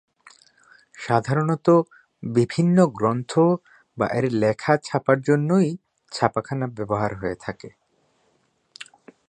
সাধারণত বিভিন্ন গ্রন্থ বা এর লেখা ছাপার জন্যই ছাপাখানা ব্যবহার হয়ে থাকে।